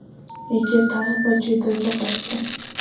Егьырҭ аӷба ҷыда азыҟашәҵа!